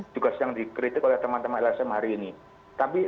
juga sedang dikritik oleh teman teman lsm hari ini